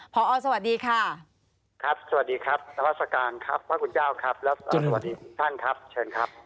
พอสวัสดีค่ะพอสวัสดีครับพศครับพคุณเจ้าครับแล้วสวัสดีท่านครับเชิญครับ